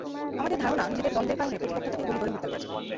আমাদের ধারণা, নিজেদের দ্বন্দের কারণে প্রতিপক্ষ তাঁকে গুলি করে হত্যা করেছে।